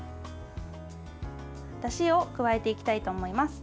だしを加えていきたいと思います。